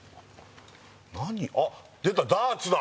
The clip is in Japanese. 何あっ出たダーツだ